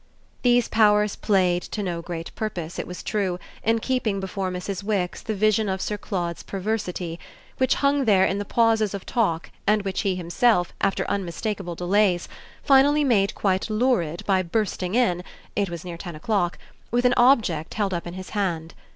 These powers played to no great purpose, it was true, in keeping before Mrs. Wix the vision of Sir Claude's perversity, which hung there in the pauses of talk and which he himself, after unmistakeable delays, finally made quite lurid by bursting in it was near ten o'clock with an object held up in his hand.